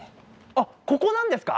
あっここなんですか？